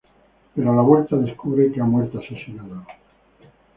Pero, a la vuelta, descubre que ha muerto asesinado.